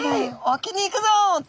「沖に行くぞ」と。